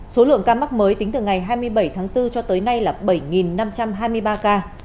số lượng ca mắc mới tính từ ngày hai mươi bảy tháng bốn cho tới nay là bảy năm trăm hai mươi ba ca